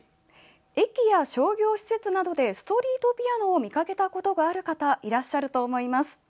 駅や商業施設などでストリートピアノを見かけたことがある方いらっしゃると思います。